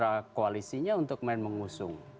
meyakinkan mitra koalisinya untuk main mengusung